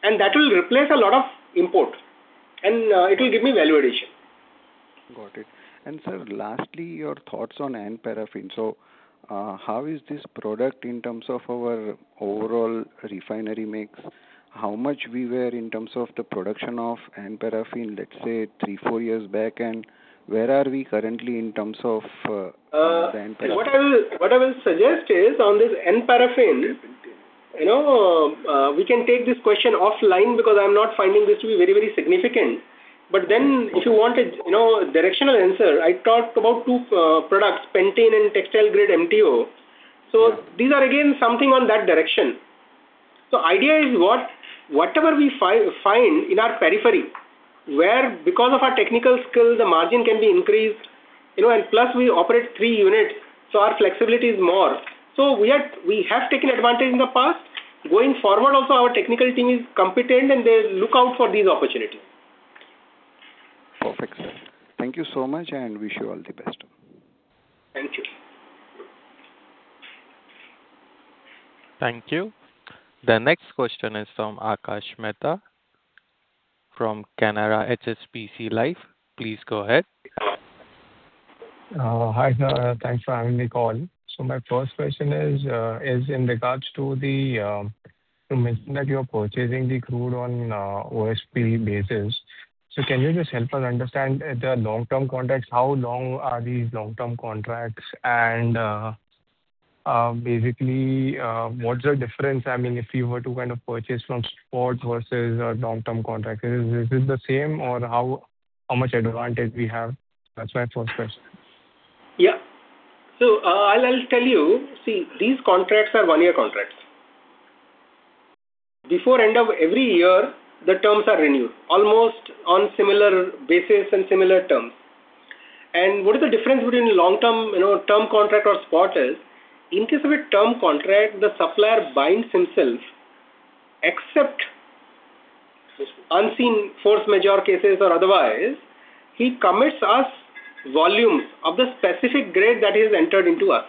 That will replace a lot of import, and it will give me value addition. Got it. Sir, lastly, your thoughts on N-Paraffin. How is this product in terms of our overall refinery mix? How much we were in terms of the production of N-Paraffin, let's say, three, four years back, and where are we currently in terms of the N-Paraffin? What I will suggest is on this N-Paraffin, we can take this question offline because I'm not finding this to be very significant. If you want a directional answer, I talked about two products, pentane and textile-grade MTO. These are, again, something on that direction. Idea is what? Whatever we find in our periphery, where because of our technical skill, the margin can be increased, and plus we operate three units, so our flexibility is more. We have taken advantage in the past. Going forward, also, our technical team is competent, and they look out for these opportunities. Perfect, sir. Thank you so much, and wish you all the best. Thank you. Thank you. The next question is from Akash Mehta from Canara HSBC Life. Please go ahead. Hi, sir. Thanks for having me call. My first question is in regards to the mention that you're purchasing the crude on OSP basis. Can you just help us understand the long-term contracts? How long are these long-term contracts? And basically, what's the difference, if you were to purchase from spot versus a long-term contract? Is this the same, or how much advantage we have? That's my first question. Yeah. I'll tell you. See, these contracts are one-year contracts. Before end of every year, the terms are renewed almost on similar basis and similar terms. What is the difference between long-term contract or spot is, in case of a term contract, the supplier binds himself, except unforeseen force majeure cases or otherwise, he commits to us volumes of the specific grade that is entered into by us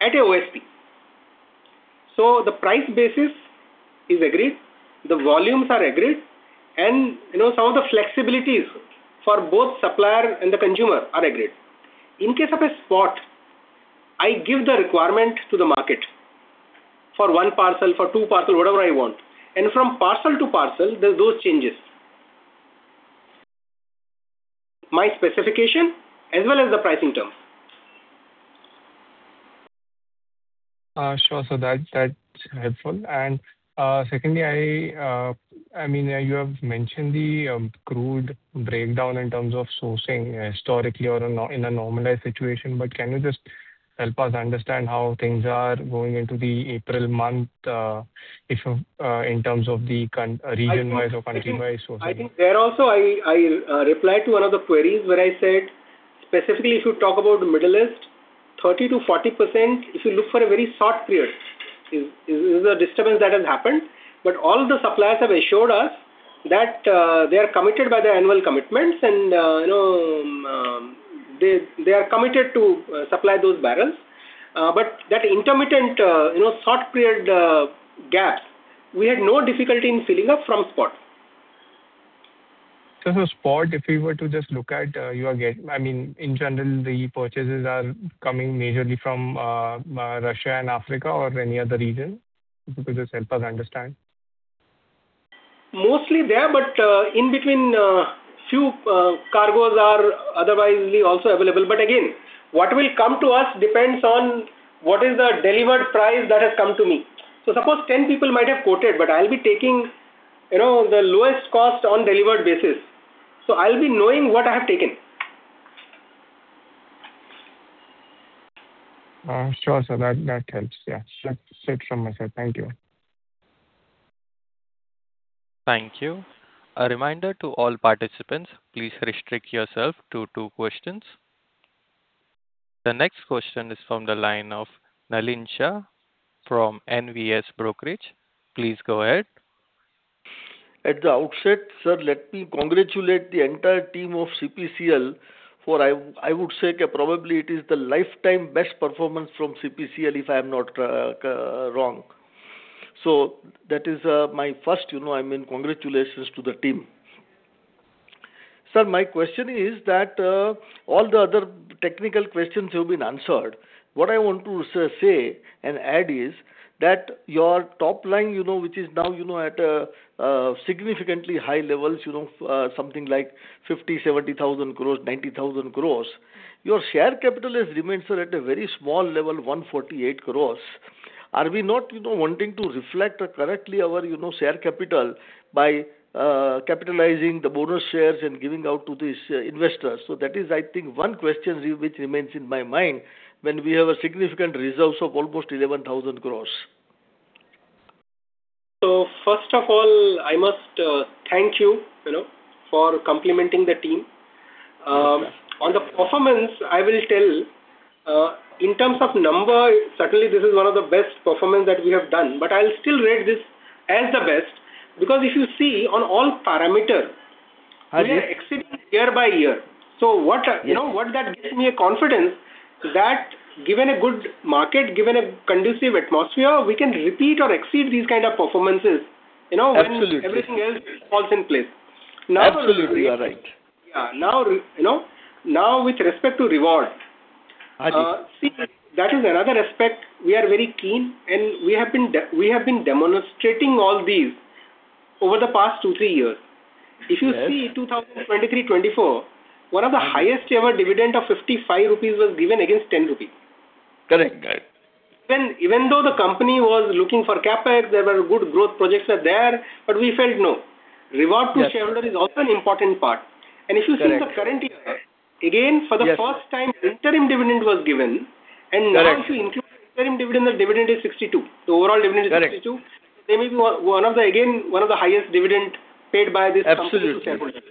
at an OSP. The price basis is agreed, the volumes are agreed, and some of the flexibilities for both supplier and the consumer are agreed. In case of a spot, I give the requirement to the market for one parcel, for two parcel, whatever I want. From parcel to parcel, those changes. My specification as well as the pricing terms. Sure, sir. That's helpful. Secondly, you have mentioned the crude breakdown in terms of sourcing historically or in a normalized situation, but can you just help us understand how things are going into the April month in terms of the region-wise or country-wise sourcing? I think there also, I replied to one of the queries where I said, specifically if you talk about the Middle East, 30%-40%, if you look for a very short period, this is the disturbance that has happened. All the suppliers have assured us that they are committed to their annual commitments, and they are committed to supply those barrels. That intermittent short period gaps, we had no difficulty in filling up from spot. In general, the purchases are coming majorly from Russia and Africa or any other region? If you could just help us understand. Mostly there, but in between, few cargos are otherwise also available. Again, what will come to us depends on what is the delivered price that has come to me. Suppose 10 people might have quoted, but I'll be taking the lowest cost on delivered basis. I'll be knowing what I have taken. Sure, sir. That helps. Yeah. That's it from my side. Thank you. Thank you. A reminder to all participants, please restrict yourself to two questions. The next question is from the line of Nalin Shah from NVS Brokerage. Please go ahead. At the outset, sir, let me congratulate the entire team of CPCL, for I would say probably it is the lifetime best performance from CPCL if I'm not wrong. That is my first congratulations to the team. Sir, my question is that all the other technical questions have been answered. What I want to say and add is that your top line, which is now at a significantly high levels, something like 50,000 crores, 70,000 crores, 90,000 crores, your share capital has remained, sir, at a very small level, 148 crores. Are we not wanting to reflect correctly our share capital by capitalizing the bonus shares and giving out to these investors? That is, I think, one question which remains in my mind when we have a significant reserves of almost 11,000 crores. First of all, I must thank you for complimenting the team. Yes. On the performance, I will tell, in terms of number, certainly this is one of the best performance that we have done. I'll still rate this as the best, because if you see on all parameter we are exceeding year-by-year. What that gives me a confidence that given a good market, given a conducive atmosphere, we can repeat or exceed these kind of performances. Absolutely. When everything else falls in place. Absolutely, you are right. Now, with respect to reward. Right. See, that is another aspect we are very keen, and we have been demonstrating all these over the past two, three years. Yes. If you see 2023-2024, one of the highest ever dividend of 55 rupees was given against 10 rupees. Correct. Even though the company was looking for CapEx, there were good growth projects are there, but we felt no, reward to shareholder is also an important part. Correct. If you see the current year, again, for the first time, interim dividend was given. Correct. Now if you include the interim dividend, the dividend is 62. Overall dividend is 62. Correct. That may be one of the highest dividend paid by this company to shareholders.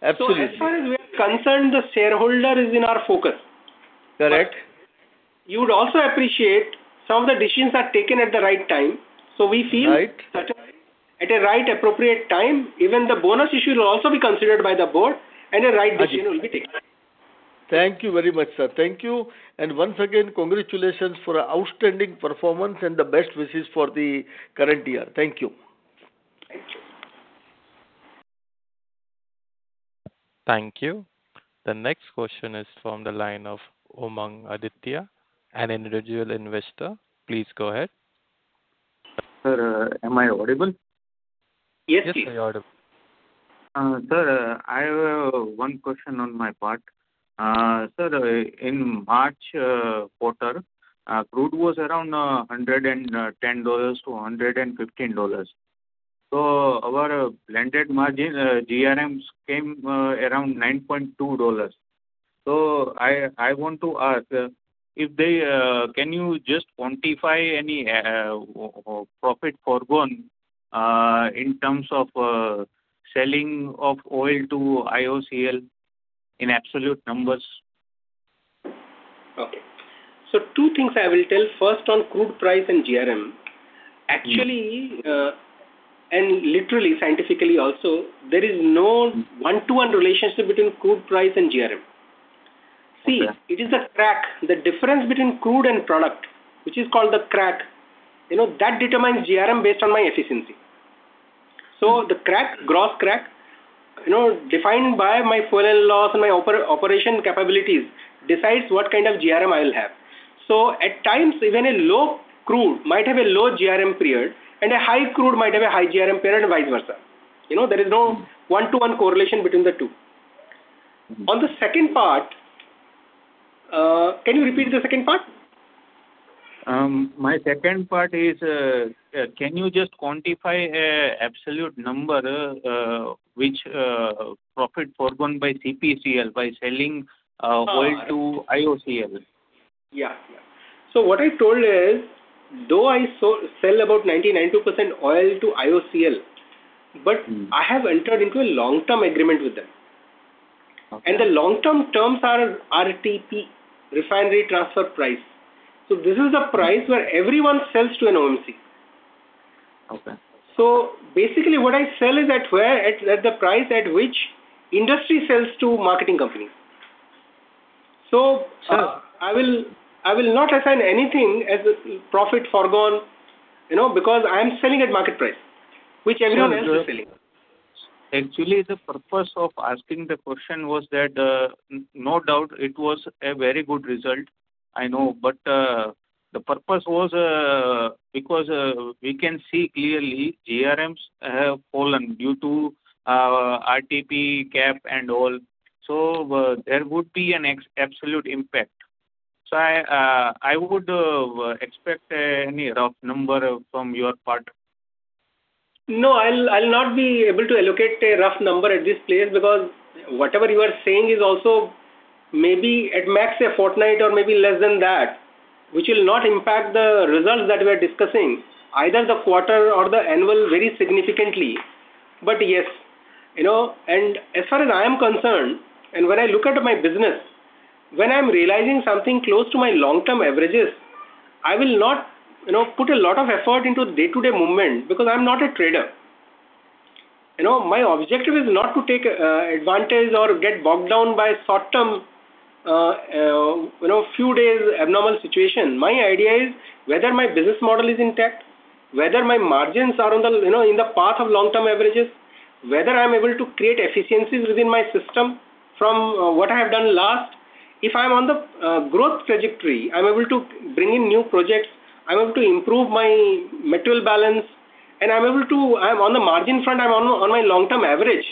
Absolutely. As far as we are concerned, the shareholder is in our focus. Correct. You would also appreciate some of the decisions are taken at the right time. Right. We feel at a right appropriate time, even the bonus issue will also be considered by the Board and a right decision will be taken. Thank you very much, sir. Thank you. Once again, congratulations for an outstanding performance and the best wishes for the current year. Thank you. Thank you. Thank you. The next question is from the line of Umang Aditya, an individual investor. Please go ahead. Sir, am I audible? Yes, please. Yes, we hear you. Sir, I have one question on my part. Sir, in March quarter, crude was around $110-$115. Our blended margin, GRMs, came around $9.2. I want to ask, can you just quantify any profit forgone in terms of selling of oil to IOCL in absolute numbers? Okay. Two things I will tell, first on crude price and GRM. Actually, and literally, scientifically also, there is no one-to-one relationship between crude price and GRM. Okay. See, it is the crack, the difference between crude and product, which is called the crack, that determines GRM based on my efficiency. The crack, gross crack, defined by Fuel & Loss and my operation capabilities, decides what kind of GRM I will have. At times, even a low crude might have a low GRM period, and a high crude might have a high GRM period, and vice versa. There is no one-to-one correlation between the two. On the second part. Can you repeat the second part? My second part is, can you just quantify an absolute number which profit forgone by CPCL by selling oil to IOCL? Yeah. What I told is, though I sell about 99%-100% oil to IOCL, but I have entered into a long-term agreement with them. Okay. The long-term terms are RTP, refinery transfer price. This is the price where everyone sells to an OMC. Okay. Basically what I sell is at the price at which industry sells to marketing company. I will not assign anything as a profit forgone, because I'm selling at market price, which everyone else is selling. Actually, the purpose of asking the question was that, no doubt it was a very good result, I know, but the purpose was because we can see clearly GRMs have fallen due to RTP cap and all. There would be an absolute impact. I would expect any rough number from your part. No, I'll not be able to allocate a rough number at this place because whatever you are saying is also maybe at max a fortnight or maybe less than that, which will not impact the results that we're discussing, either the quarter or the annual, very significantly. Yes. As far as I am concerned, and when I look at my business, when I'm realizing something close to my long-term averages, I will not put a lot of effort into the day-to-day movement because I'm not a trader. My objective is not to take advantage or get bogged down by short-term, few days abnormal situation. My idea is whether my business model is intact, whether my margins are in the path of long-term averages, whether I'm able to create efficiencies within my system from what I have done last. If I'm on the growth trajectory, I'm able to bring in new projects, I'm able to improve my material balance, and I'm on the margin front, I'm on my long-term average.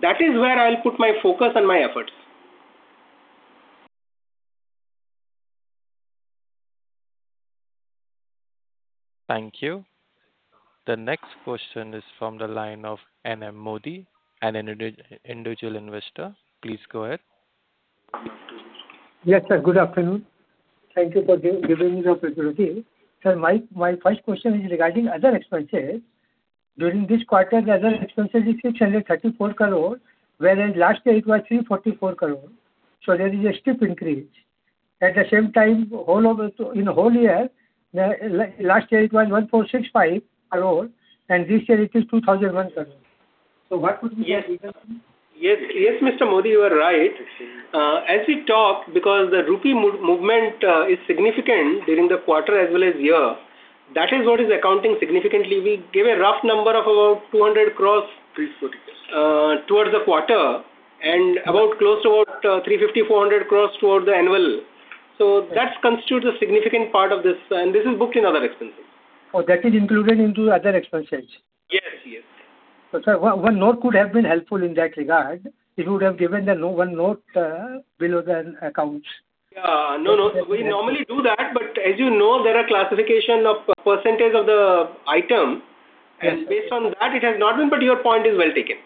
That is where I'll put my focus and my efforts. Thank you. The next question is from the line of N.M. Modi, an individual investor. Please go ahead. Yes, sir. Good afternoon. Thank you for giving me the opportunity. Sir, my first question is regarding other expenses. During this quarter, the other expenses is 634 crore, whereas last year it was 344 crore. There is a steep increase. At the same time, in whole year, last year it was 1,465 crore, and this year it is 2,100 crore. What would be the reason? Yes, Mr. Modi, you are right. As we talked, because the rupee movement is significant during the quarter as well as year, that is what is accounting significantly. We gave a rough number of about 200 crore towards the quarter and about close to what, 350 crore, 400 crore towards the annual. That constitutes a significant part of this, and this is booked in other expenses. Oh, that is included into other expenses? Yes. Sir, one note could have been helpful in that regard. If you would have given the one note below the accounts. No. We normally do that, but as you know, there are classification of percentage of the item, and based on that, it has not been, but your point is well taken.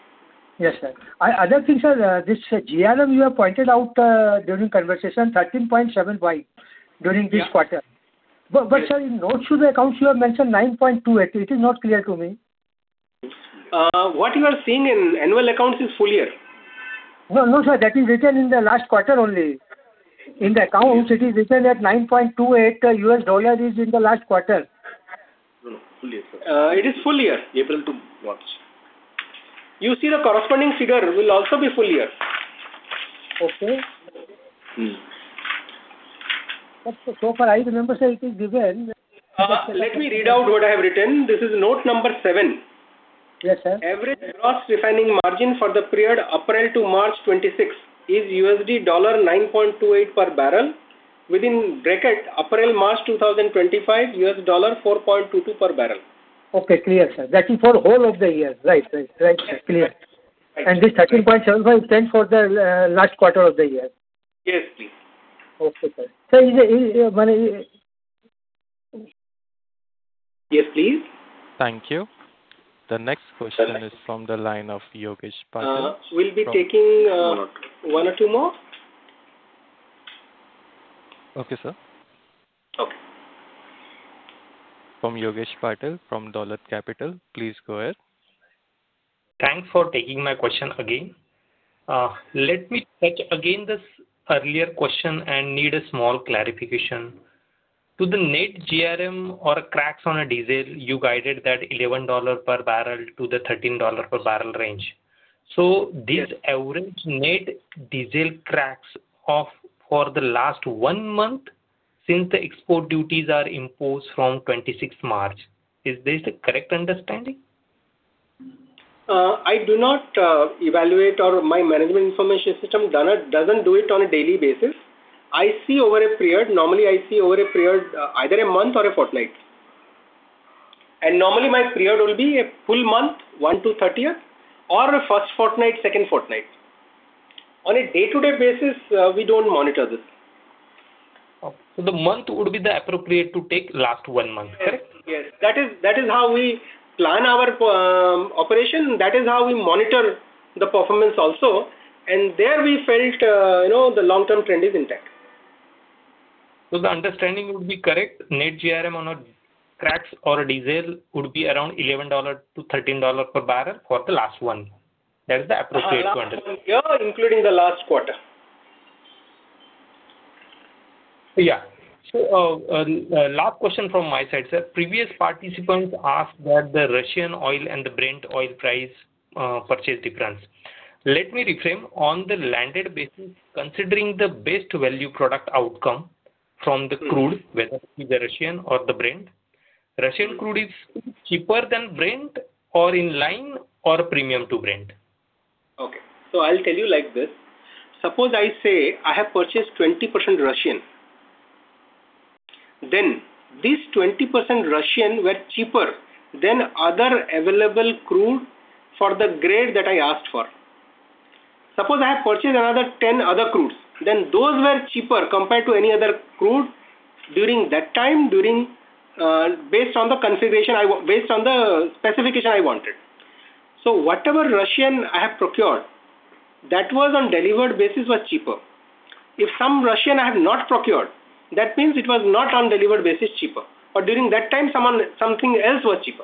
Yes, sir. Other thing, sir, this GRM you have pointed out during conversation, $13.75 during this quarter. Yeah. Sir, in notes to the accounts, you have mentioned $9.28. It is not clear to me. What you are seeing in annual accounts is full year. No, sir. That is written in the last quarter only. In the accounts, it is written that $9.28 is in the last quarter. No, full year, sir. It is full year. April to March. You see the corresponding figure will also be full year. Okay. Mm-hmm. Far, I remember, sir, it is given that. Let me read out what I have written. This is note number seven. Yes, sir. Average gross refining margin for the period April to March 2026 is $9.28 per barrel within April-March 2025, $4.22 per barrel. Okay, clear, sir. That is for whole of the year. Right. Clear. Right. This $13.75 stands for the last quarter of the year. Yes, please. Okay, sir. Yes, please. Thank you. The next question is from the line of Yogesh Patil. We'll be taking one or two more. Okay, sir. Okay. From Yogesh Patil, from Dolat Capital. Please go ahead. Thanks for taking my question again. Let me take again this earlier question. I need a small clarification. To the net GRM or cracks on a diesel, you guided that $11 per barrel-$13 per barrel range. This average net diesel cracks for the last one month, since the export duties are imposed from 26th March. Is this the correct understanding? I do not evaluate, or my management information system doesn't do it on a daily basis. I see over a period. Normally, I see over a period, either a month or a fortnight. Normally my period will be a full month, 1 to 30th, or a first fortnight, second fortnight. On a day-to-day basis, we don't monitor this. Okay. The month would be the appropriate to take last one month, correct? Yes. That is how we plan our operation. That is how we monitor the performance also. There we felt the long-term trend is intact. The understanding would be correct, net GRM on a cracks or a diesel would be around $11-$13 per barrel for the last one. That is the appropriate one. Last one year, including the last quarter. Yeah. Last question from my side, sir. Previous participants asked what the Russian oil and the Brent oil price purchase difference. Let me rephrase, on the landed basis, considering the best value product outcome from the crude, whether it be the Russian or the Brent, Russian crude is cheaper than Brent or in line or a premium to Brent? Okay. I'll tell you like this. Suppose I say I have purchased 20% Russian. This 20% Russian were cheaper than other available crude for the grade that I asked for. Suppose I have purchased another 10 other crudes. Those were cheaper compared to any other crude during that time, based on the specification I wanted. Whatever Russian I have procured, that was on delivered basis was cheaper. If some Russian I have not procured, that means it was not on delivered basis cheaper, or during that time something else was cheaper.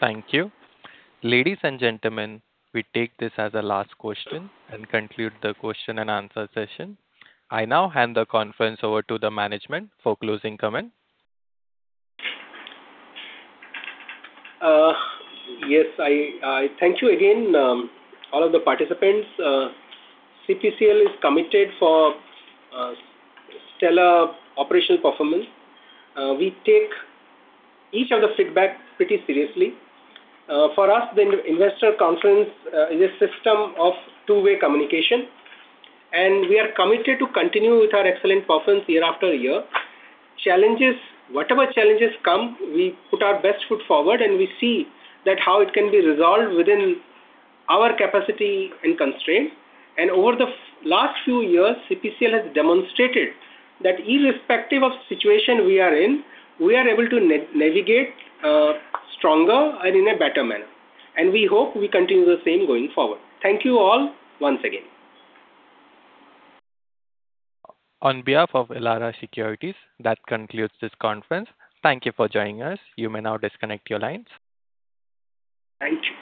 Thank you. Ladies and gentlemen, we take this as the last question and conclude the question-and-answer session. I now hand the conference over to the management for closing comment. Yes. Thank you again, all of the participants. CPCL is committed for stellar operational performance. We take each of the feedback pretty seriously. For us, the investor conference is a system of two-way communication, and we are committed to continue with our excellent performance year-after-year. Whatever challenges come, we put our best foot forward, and we see that how it can be resolved within our capacity and constraint. Over the last few years, CPCL has demonstrated that irrespective of situation we are in, we are able to navigate stronger and in a better manner. We hope we continue the same going forward. Thank you all once again. On behalf of Elara Securities, that concludes this conference. Thank you for joining us. You may now disconnect your lines. Thank you.